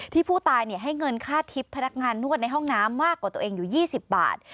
ที่ผู้ตายให้เงินค่าทิพย์พนักงานนวดในห้องน้ำมากกว่าตัวเองอยู่๒๐บาท